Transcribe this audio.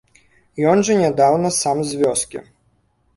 Ён жа нядаўна сам з вёскі.